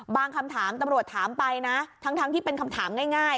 คำถามตำรวจถามไปนะทั้งที่เป็นคำถามง่าย